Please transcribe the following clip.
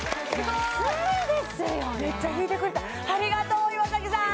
安いですよねめっちゃ引いてくれたありがとう岩崎さん！